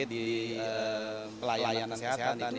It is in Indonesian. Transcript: di pelayanan kesehatan